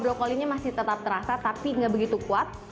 brokolinya masih tetap terasa tapi nggak begitu kuat